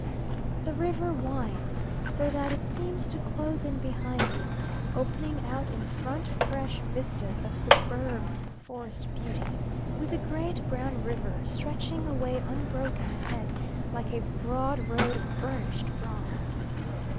The river winds so that it seems to close in behind us, opening out in front fresh vistas of superb forest beauty, with the great brown river stretching away unbroken ahead like a broad road of burnished bronze.